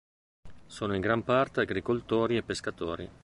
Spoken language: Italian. Sono in gran parte agricoltori e pescatori.